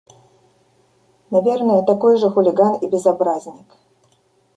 – Наверное, такой же хулиган и безобразник.